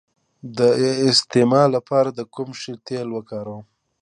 د استما لپاره د کوم شي تېل وکاروم؟